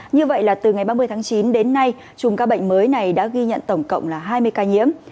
như vậy là từ ngày ba mươi tháng chín đến nay chùm ca bệnh mới này đã ghi nhận tổng cộng là hai mươi ca nhiễm